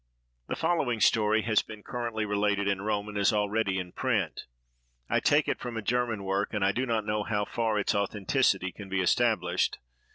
The following story has been currently related in Rome, and is already in print. I take it from a German work, and I do not know how far its authenticity can be established.